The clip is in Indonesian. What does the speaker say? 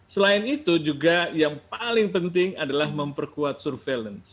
selain itu juga yang paling penting adalah memperkuat surveillance